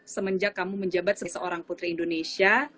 semenjak kamu menjabat sebagai seorang putri indonesia